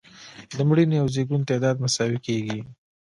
د مړینې او زیږون تعداد مساوي کیږي.